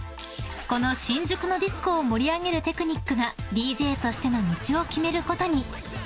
［この新宿のディスコを盛り上げるテクニックがＤＪとしての道を決めることに］